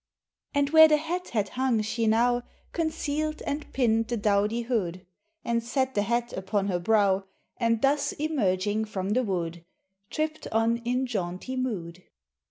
And where the hat had hung she now Concealed and pinned the dowdy hood, And set the hat upon her brow, And thus emerging from the wood Tripped on in jaunty mood.